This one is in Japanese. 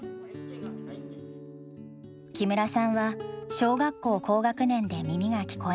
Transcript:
木村さんは小学校高学年で耳が聞こえなくなった。